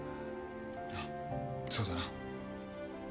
ああそうだな。